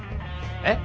えっ？